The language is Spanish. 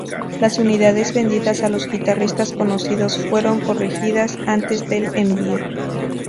Las unidades vendidas a los guitarristas conocidos fueron corregidas antes del envío.